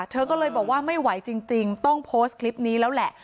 เธอก็เลยบอกว่าไม่ไหวจริงต้องโพสต์คลิปนี้แล้วแหละ